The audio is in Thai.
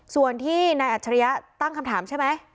ส่วนที่นายอัจฉริยะตั้งคำถามใช่ไหม